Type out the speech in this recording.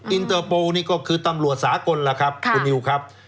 อินเตอร์โปร์นี่ก็คือตำรวจสากลล่ะครับคุณนิวครับ